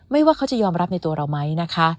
ว่าเขาจะยอมรับในตัวเราไหมนะคะ